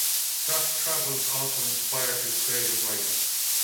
Scott's travels also inspired his creative writing.